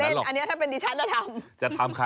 กูเป็นสุภาพบรูดหรือเปล่า